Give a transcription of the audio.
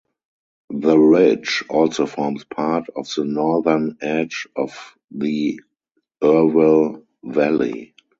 The ridge also forms part of the northern edge of the Irwell Valley.